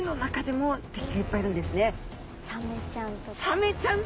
サメちゃん！